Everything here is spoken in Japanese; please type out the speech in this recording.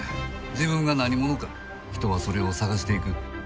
自分が何者か人はそれを探していく。